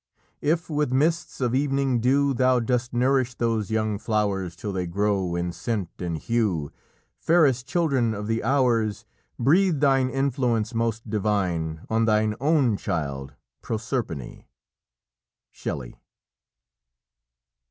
If with mists of evening dew Thou dost nourish those young flowers Till they grow, in scent and hue, Fairest children of the hours, Breathe thine influence most divine On thine own child, Proserpine." Shelley.